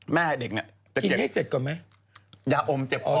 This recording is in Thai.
แม่เด็กน่ะกินให้เสร็จก่อนไหมยาอมเจ็บอ้อ